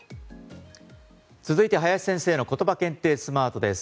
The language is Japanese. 続いて林先生のことば検定スマートです。